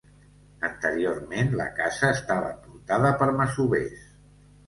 Anteriorment la casa estava portada per masovers.